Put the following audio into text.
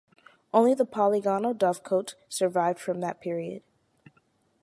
Only the polygonal dovecote survived from that period.